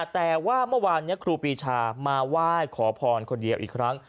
แต่ว่าเมื่อวานนี้ครูปีชามาไหว้ขอพรคนเดียวอีกครั้ง